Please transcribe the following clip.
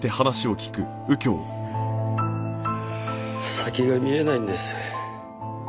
先が見えないんです。